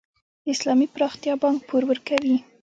د اسلامي پراختیا بانک پور ورکوي؟